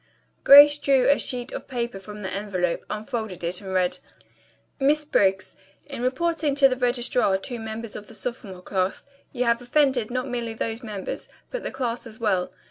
Grace drew a sheet of paper from the envelope, unfolded it and read: "Miss Briggs: "In reporting to the registrar two members of the sophomore class you have offended not merely those members, but the class as well.